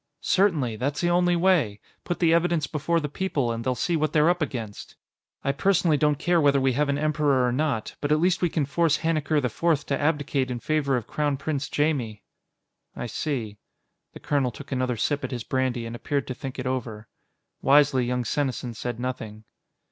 "Certainly! That's the only way. Put the evidence before the people, and they'll see what they're up against. I personally don't care whether we have an Emperor or not, but at least we can force Hannikar IV to abdicate in favor of Crown Prince Jaimie." "I see." The colonel took another sip at his brandy and appeared to think it over. Wisely, young Senesin said nothing.